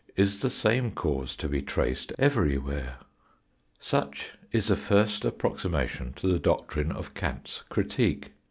Is the same cause to be traced everywhere? Such is a first approximation to the doctrine of Kant's critique.